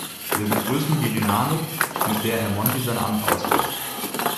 Wir begrüßen die Dynamik, mit der Herr Monti sein Amt ausfüllt.